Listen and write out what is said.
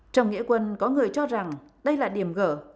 trong nghĩa quân có người cho rằng đây là điểm gỡ